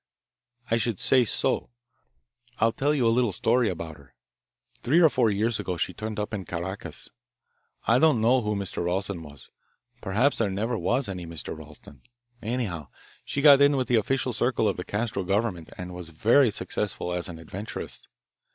"I should say so. I'll tell you a little story about her. Three or four years ago she turned up in Caracas. I don't know who Mr. Ralston was perhaps there never was any Mr. Ralston. Anyhow, she got in with the official circle of the Castro government and was very successful as an adventuress.